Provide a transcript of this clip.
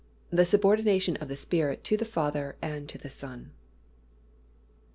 THE SUBORDINATION OF THE SPIRIT TO THE FATHER AND TO THE SON.